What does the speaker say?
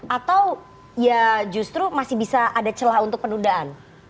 atau ya justru masih bisa ada celah untuk penundaan